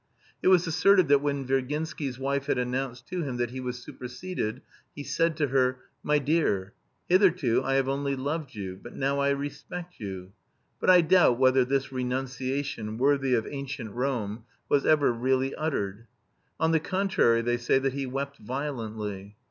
It was asserted that when Virginsky's wife had announced to him that he was superseded he said to her: "My dear, hitherto I have only loved you, but now I respect you," but I doubt whether this renunciation, worthy of ancient Rome, was ever really uttered. On the contrary they say that he wept violently.